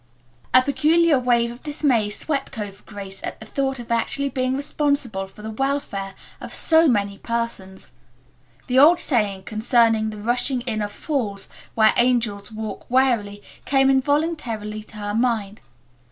A peculiar wave of dismay swept over Grace at the thought of actually being responsible for the welfare of so many persons. The old saying concerning the rushing in of fools where angels walk warily came involuntarily to her mind.